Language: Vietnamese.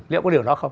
liệu có điều đó không